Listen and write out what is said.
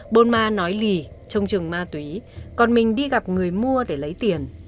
bôn ma nói lì trông chừng ma túy còn mình đi gặp người mua để lấy tiền